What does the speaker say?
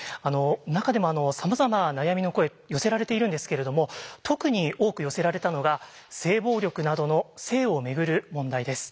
中でもさまざま悩みの声寄せられているんですけれども特に多く寄せられたのが性暴力などの性をめぐる問題です。